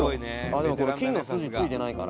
「でもこれ金の筋付いてないから」